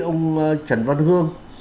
ông trần văn hương